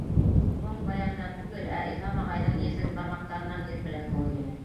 Моң баяндан түгел, ә Илһам ағайҙың етеҙ бармаҡтарынан һирпелә кеүек ине.